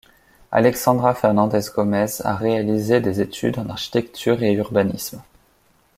Alexandra Fernández Gómez a réalisé des études en architecture et urbanisme.